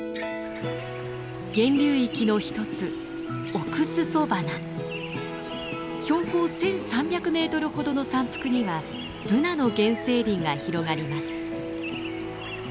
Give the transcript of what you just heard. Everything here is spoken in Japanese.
源流域の一つ標高１，３００メートルほどの山腹にはブナの原生林が広がります。